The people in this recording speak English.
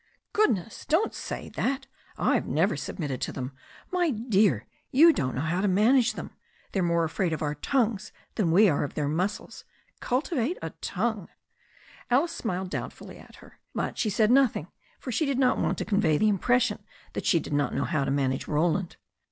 "Goodness! Don't say that! IVe never submitted to them. My dear, you don't know how to manage them* They're more afraid of our tongues than we are of their muscles. Cultivate a tongue." Alice smiled doubtfully at her. But she said nothing, for she did not want to convey the impression that she did not know how to manage Roland.